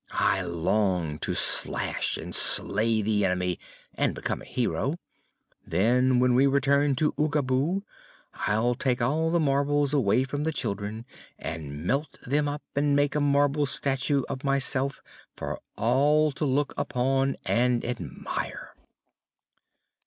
I long to slash and slay the enemy and become a hero. Then, when we return to Oogaboo, I'll take all the marbles away from the children and melt them up and make a marble statue of myself for all to look upon and admire."